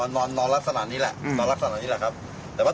ตัวเขาเล็กกว่านี้ใช่แต่นอนลักษณะนี้แหละ